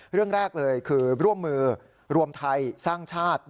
เรื่องแรกเลยคือร่วมมือรวมไทยสร้างชาติ